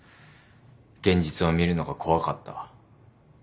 現実を見るのが怖かった。